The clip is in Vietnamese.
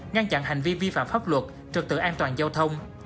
ngăn chặn hành vi vi phạm pháp luật trực tự an toàn giao thông